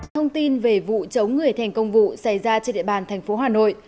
thông tin về vụ chống người thành công vụ xảy ra trên địa bàn thành phố hà nội